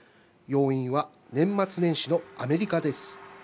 要因は年末年始のアメリカです。